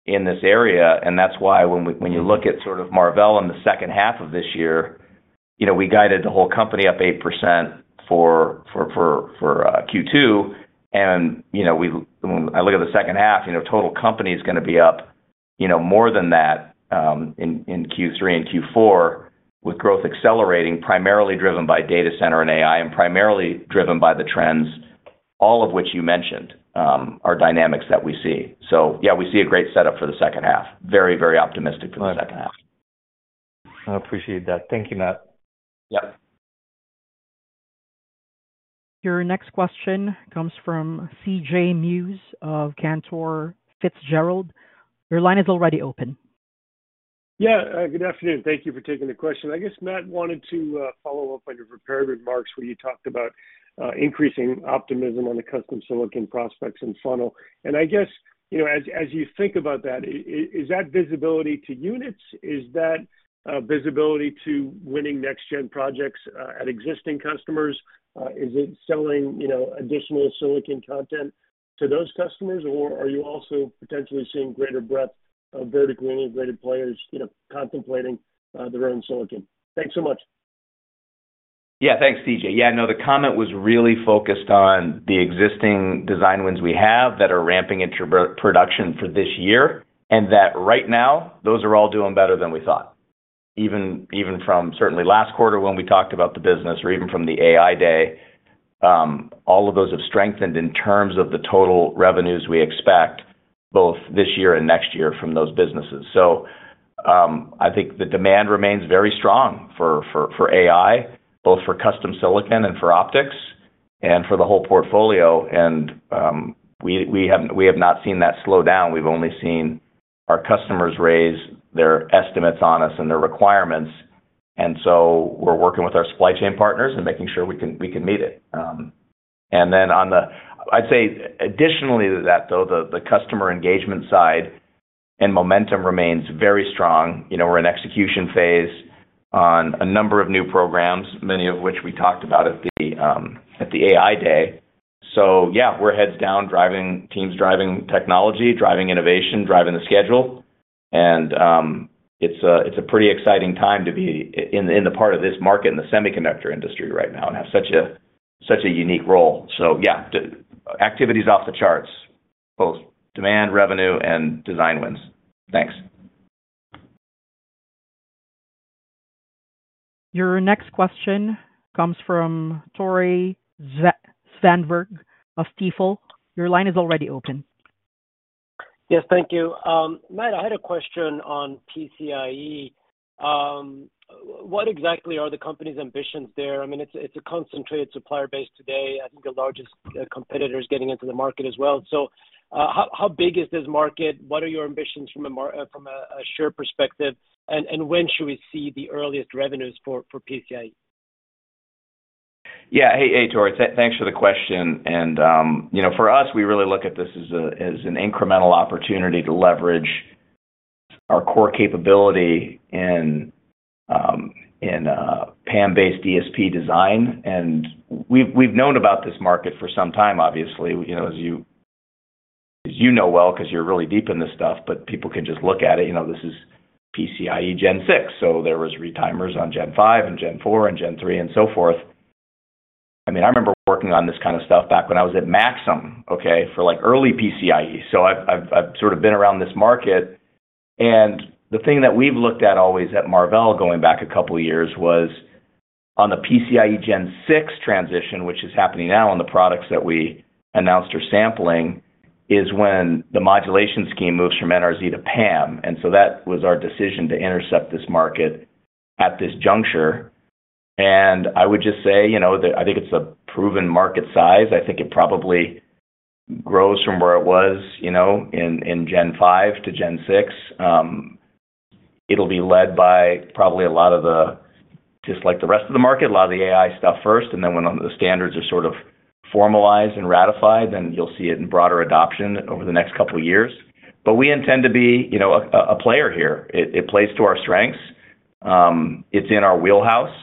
in this area, and that's why when you look at sort of Marvell in the second half of this year, you know, we guided the whole company up 8% for Q2. And, you know, when I look at the second half, you know, total company is gonna be up, you know, more than that, in Q3 and Q4, with growth accelerating, primarily driven by data center and AI, and primarily driven by the trends, all of which you mentioned, are dynamics that we see. So yeah, we see a great setup for the second half. Very, very optimistic for the second half. I appreciate that. Thank you, Matt. Yep. Your next question comes from C.J. Muse of Cantor Fitzgerald. Your line is already open. Yeah, good afternoon. Thank you for taking the question. I guess, Matt, wanted to follow up on your prepared remarks, where you talked about increasing optimism on the custom silicon prospects and funnel. And I guess, you know, as you think about that, is that visibility to units? Is that visibility to winning next-gen projects at existing customers? Is it selling, you know, additional silicon content to those customers, or are you also potentially seeing greater breadth of vertically integrated players, you know, contemplating their own silicon? Thanks so much. Yeah, thanks, CJ. Yeah, no, the comment was really focused on the existing design wins we have that are ramping into production for this year, and that right now, those are all doing better than we thought. Even, even from certainly last quarter, when we talked about the business or even from the AI Day, all of those have strengthened in terms of the total revenues we expect, both this year and next year from those businesses. So, I think the demand remains very strong for, for, for AI, both for custom silicon and for optics and for the whole portfolio. And, we, we have, we have not seen that slow down. We've only seen our customers raise their estimates on us and their requirements, and so we're working with our supply chain partners and making sure we can, we can meet it. And then on the—I'd say additionally to that, though, the customer engagement side and momentum remains very strong. You know, we're in execution phase on a number of new programs, many of which we talked about at the AI Day. So yeah, we're heads down, teams driving technology, driving innovation, driving the schedule, and it's a pretty exciting time to be in the part of this market, in the semiconductor industry right now, and have such a unique role. So yeah, activity is off the charts, both demand, revenue, and design wins. Thanks. Your next question comes from Tore Svanberg of Stifel. Your line is already open. Yes, thank you. Matt, I had a question on PCIe. What exactly are the company's ambitions there? I mean, it's a concentrated supplier base today. I think the largest competitor is getting into the market as well. So, how big is this market? What are your ambitions from a share perspective? And when should we see the earliest revenues for PCIe? Yeah. Hey, hey, Tore. Thanks for the question, and, you know, for us, we really look at this as a, as an incremental opportunity to leverage our core capability in, in, PAM-based DSP design. And we've known about this market for some time, obviously, you know, as you, as you know well, 'cause you're really deep in this stuff, but people can just look at it. You know, this is PCIe Gen 6, so there was retimers on Gen 5 and Gen 4 and Gen 3 and so forth. I mean, I remember working on this kind of stuff back when I was at Maxim, okay, for, like, early PCIe. So I've sort of been around this market, and the thing that we've looked at always at Marvell, going back a couple of years, was on the PCIe Gen 6 transition, which is happening now on the products that we announced or sampling, is when the modulation scheme moves from NRZ to PAM. And so that was our decision to intercept this market at this juncture. And I would just say, you know, that I think it's a proven market size. I think it probably grows from where it was, you know, in Gen 5 to Gen 6. It'll be led by probably a lot of the... Just like the rest of the market, a lot of the AI stuff first, and then when the standards are sort of formalized and ratified, then you'll see it in broader adoption over the next couple of years. But we intend to be, you know, a player here. It plays to our strengths. It's in our wheelhouse,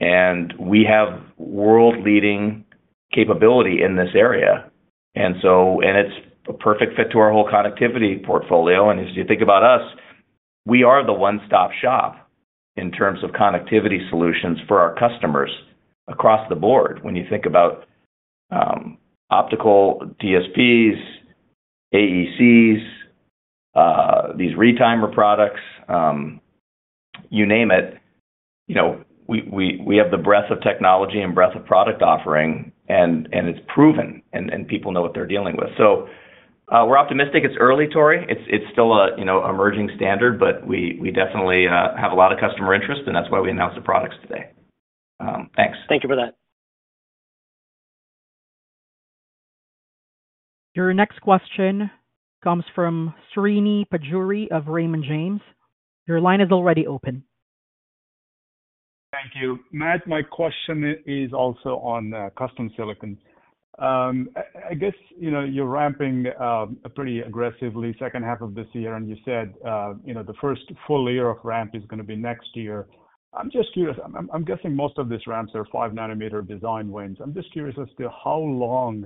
and we have world-leading capability in this area. And so, and it's a perfect fit to our whole connectivity portfolio. And as you think about us. We are the one-stop shop in terms of connectivity solutions for our customers across the board. When you think about optical DSPs, AECs, these retimer products, you name it, you know, we have the breadth of technology and breadth of product offering, and it's proven, and people know what they're dealing with. So, we're optimistic. It's early, Tore. It's still a, you know, emerging standard, but we definitely have a lot of customer interest, and that's why we announced the products today. Thanks. Thank you for that. Your next question comes from Srini Pajjuri of Raymond James. Your line is already open. Thank you. Matt, my question is also on custom silicon. I guess, you know, you're ramping pretty aggressively second half of this year, and you said, you know, the first full year of ramp is gonna be next year. I'm just curious. I'm guessing most of these ramps are 5-nanometer design wins. I'm just curious as to how long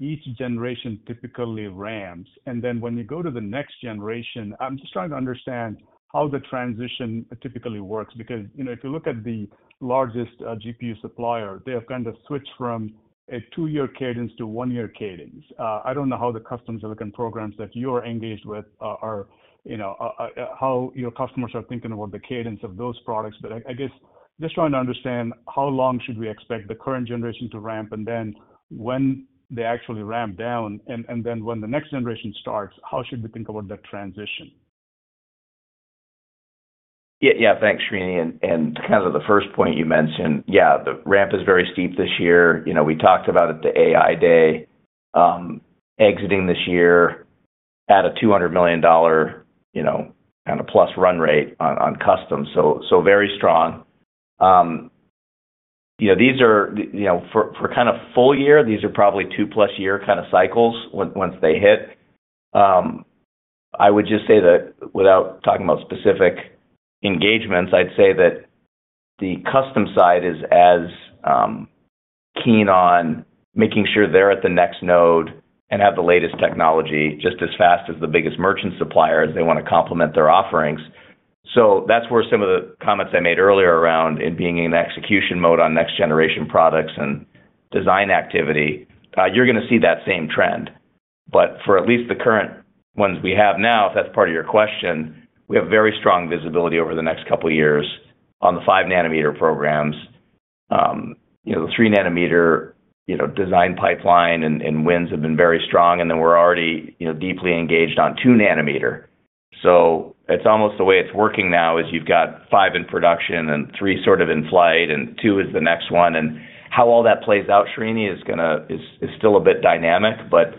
each generation typically ramps, and then when you go to the next generation, I'm just trying to understand how the transition typically works. Because, you know, if you look at the largest GPU supplier, they have kind of switched from a 2-year cadence to 1-year cadence. I don't know how the custom silicon programs that you're engaged with are, you know, how your customers are thinking about the cadence of those products. I, I guess just trying to understand how long should we expect the current generation to ramp, and then when they actually ramp down and then when the next generation starts, how should we think about that transition? Yeah, yeah. Thanks, Srini. And kind of the first point you mentioned, yeah, the ramp is very steep this year. You know, we talked about at the AI Day, exiting this year at a $200 million+ run rate on custom. So very strong. You know, these are, you know, for kind of full year, these are probably 2+ year kind of cycles once they hit. I would just say that without talking about specific engagements, I'd say that the custom side is as keen on making sure they're at the next node and have the latest technology just as fast as the biggest merchant supplier as they want to complement their offerings. So that's where some of the comments I made earlier around it being in execution mode on next generation products and design activity, you're gonna see that same trend. But for at least the current ones we have now, if that's part of your question, we have very strong visibility over the next couple of years on the 5-nanometer programs. You know, the 3-nanometer, you know, design pipeline and, and wins have been very strong, and then we're already, you know, deeply engaged on 2-nanometer. So it's almost the way it's working now is you've got 5 in production and 3 sort of in flight, and 2 is the next one. And how all that plays out, Srini, is still a bit dynamic, but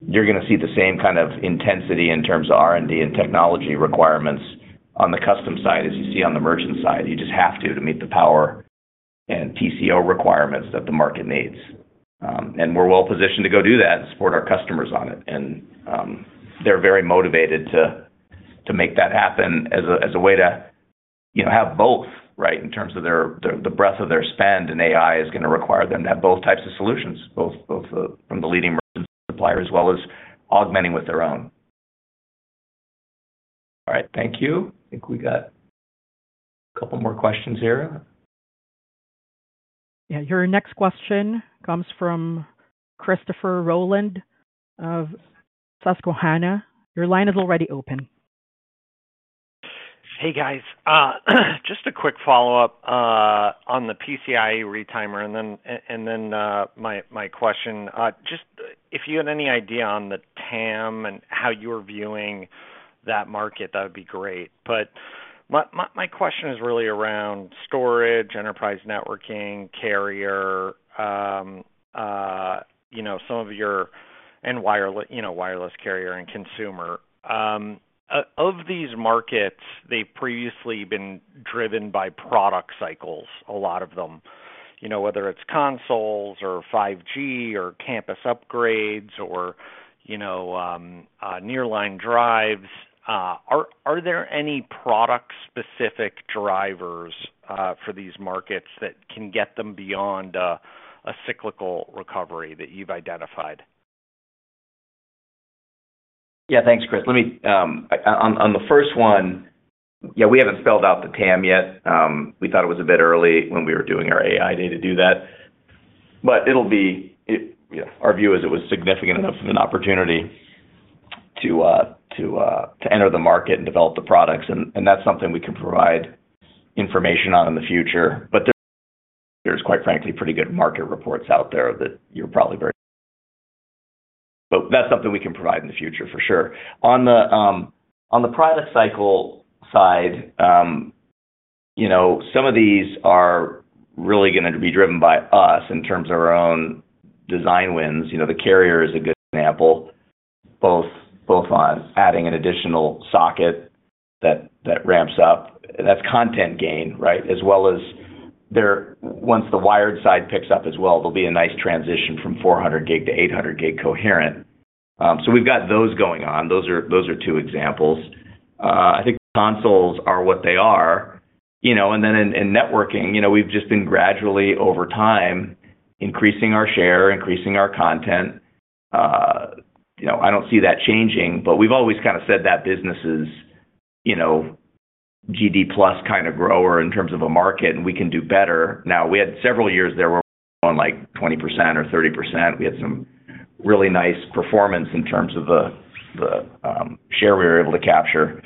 you're gonna see the same kind of intensity in terms of R&D and technology requirements on the custom side as you see on the merchant side. You just have to meet the power and TCO requirements that the market needs. And we're well positioned to go do that and support our customers on it. And they're very motivated to make that happen as a way to, you know, have both, right, in terms of the breadth of their spend, and AI is gonna require them to have both types of solutions, both from the leading merchant supplier, as well as augmenting with their own. All right, thank you. I think we got a couple more questions here. Yeah. Your next question comes from Christopher Rolland of Susquehanna. Your line is already open. Hey, guys. Just a quick follow-up on the PCIe retimer, and then my question. Just if you had any idea on the TAM and how you're viewing that market, that would be great. But my question is really around storage, enterprise networking, carrier, you know, some of your and wireless carrier and consumer. Of these markets, they've previously been driven by product cycles, a lot of them, you know, whether it's consoles or 5G or campus upgrades or, you know, nearline drives. Are there any product-specific drivers for these markets that can get them beyond a cyclical recovery that you've identified? Yeah. Thanks, Chris. Let me on the first one, yeah, we haven't spelled out the TAM yet. We thought it was a bit early when we were doing our AI Day to do that, but it'll be... It-- you know, our view is it was significant enough of an opportunity to enter the market and develop the products, and that's something we can provide information on in the future. But there's, quite frankly, pretty good market reports out there that you're probably very- But that's something we can provide in the future for sure. On the product cycle side, you know, some of these are really gonna be driven by us in terms of our own design wins. You know, the carrier is a good example, both on adding an additional socket that ramps up. That's content gain, right? As well as there, once the wired side picks up as well, there'll be a nice transition from 400G to 800G coherent. So we've got those going on. Those are, those are two examples. I think consoles are what they are. You know, and then in networking, you know, we've just been gradually, over time, increasing our share, increasing our content. You know, I don't see that changing, but we've always kind of said that business is, you know, GDP plus kind of grower in terms of a market, and we can do better. Now, we had several years there where we were going, like, 20% or 30%. We had some really nice performance in terms of the share we were able to capture.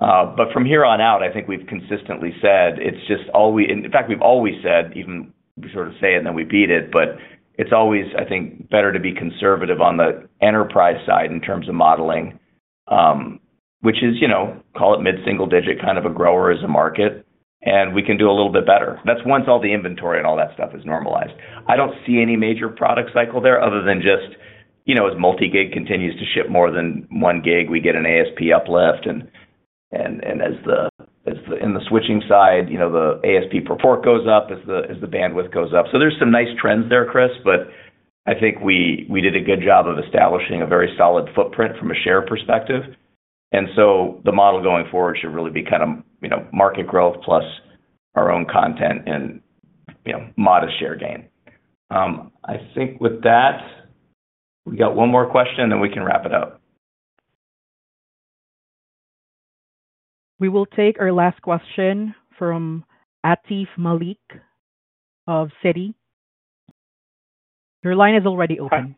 But from here on out, I think we've consistently said it's just all we. In fact, we've always said, even we sort of say it and then we beat it, but it's always, I think, better to be conservative on the enterprise side in terms of modeling, which is, you know, call it mid-single digit, kind of a grower as a market, and we can do a little bit better. That's once all the inventory and all that stuff is normalized. I don't see any major product cycle there other than just, you know, as multi-gig continues to ship more than one gig, we get an ASP uplift. And in the switching side, you know, the ASP per port goes up as the bandwidth goes up. So there's some nice trends there, Chris, but I think we did a good job of establishing a very solid footprint from a share perspective. And so the model going forward should really be kind of, you know, market growth plus our own content and, you know, modest share gain. I think with that, we've got one more question, then we can wrap it up. We will take our last question from Atif Malik of Citi. Your line is already open.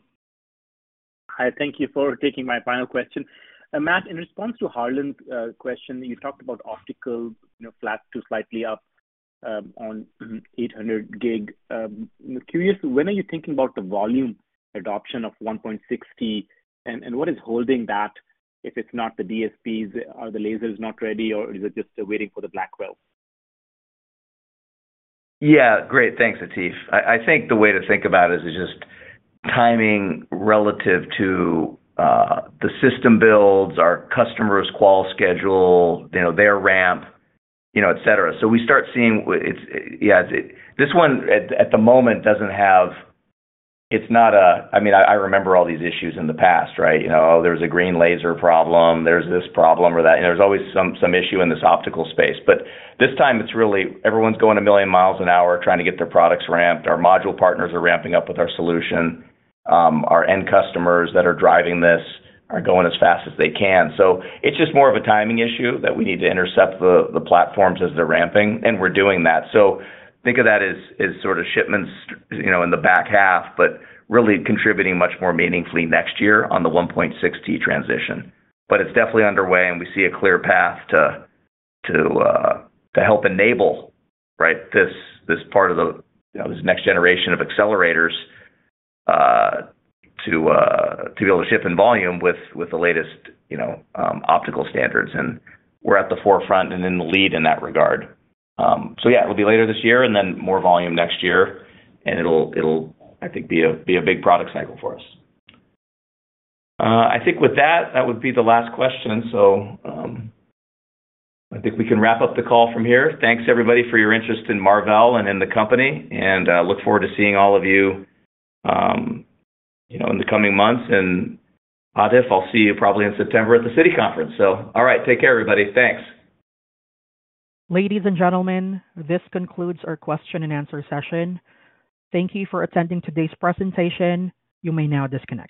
Hi. Thank you for taking my final question. Matt, in response to Harlan's question, you talked about optical, you know, flat to slightly up on 800G. I'm curious, when are you thinking about the volume adoption of 1.6T, and what is holding that, if it's not the DSPs? Are the lasers not ready, or is it just waiting for the Blackwell? Yeah, great. Thanks, Atif. I think the way to think about it is just timing relative to the system builds, our customers' qual schedule, you know, their ramp, you know, et cetera. So, it's, yeah, this one at the moment doesn't have. It's not a, I mean, I remember all these issues in the past, right? You know, there was a green laser problem, there's this problem or that. There's always some issue in this optical space. But this time it's really everyone's going a million miles an hour trying to get their products ramped. Our module partners are ramping up with our solution. Our end customers that are driving this are going as fast as they can. So it's just more of a timing issue, that we need to intercept the platforms as they're ramping, and we're doing that. So think of that as sort of shipments, you know, in the back half, but really contributing much more meaningfully next year on the 1.6T transition. But it's definitely underway, and we see a clear path to help enable, right, this part of the, you know, this next generation of accelerators, to be able to ship in volume with the latest, you know, optical standards. And we're at the forefront and in the lead in that regard. So yeah, it'll be later this year and then more volume next year, and it'll, I think, be a big product cycle for us. I think with that, that would be the last question. So, I think we can wrap up the call from here. Thanks, everybody, for your interest in Marvell and in the company, and look forward to seeing all of you, you know, in the coming months. And Atif, I'll see you probably in September at the Citi conference. So all right, take care, everybody. Thanks. Ladies and gentlemen, this concludes our question and answer session. Thank you for attending today's presentation. You may now disconnect.